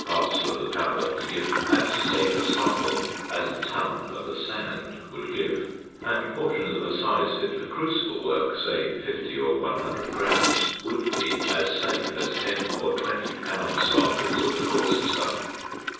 parcel of the powder to give as safe a sample as a ton of the sand would give; and portions of a size fit for crucible work, say 50 or 100 grams, would be as safe as 10 or 20 lb. samples of the coarser stuff.